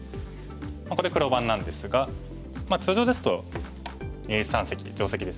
ここで黒番なんですが通常ですと二立三析で定石ですよね。